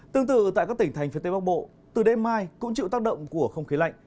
tương tự tại các tỉnh thành phía tây bắc bộ từ đêm mai cũng chịu tác động của không khí lạnh